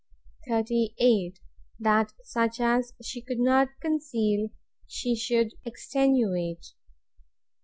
38. That such as she could not conceal, she should extenuate.